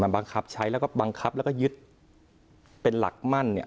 บังคับใช้แล้วก็บังคับแล้วก็ยึดเป็นหลักมั่นเนี่ย